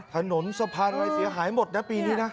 ถนนสะพานอะไรเสียหายหมดนะปีนี้นะ